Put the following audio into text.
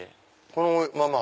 このまま。